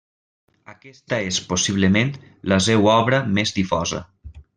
Aquesta és possiblement la seua obra més difosa.